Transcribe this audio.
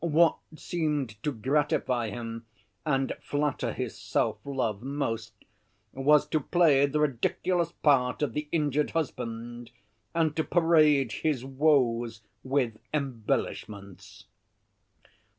What seemed to gratify him and flatter his self‐love most was to play the ridiculous part of the injured husband, and to parade his woes with embellishments.